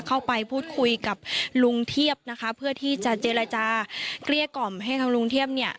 เข้าไปพูดคุยกับลุงเทียบนะคะเพื่อที่จะเจรจาเกลี้ยกล่อมให้ทางลุงเทียบเนี่ย